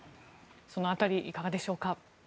その辺りいかがでしょうか。